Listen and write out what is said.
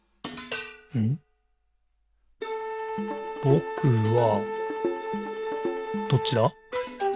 「ぼくは、」どっちだ？